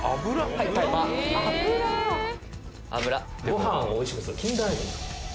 「ご飯をおいしくする禁断アイテム」